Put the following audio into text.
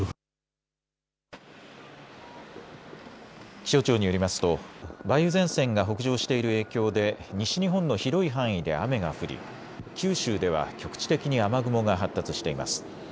気象庁によりますと梅雨前線が北上している影響で西日本の広い範囲で雨が降り九州では局地的に雨雲が発達しています。